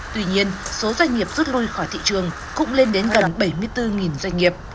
tuy nhiên số doanh nghiệp rút lui khỏi thị trường cũng lên đến gần bảy mươi bốn doanh nghiệp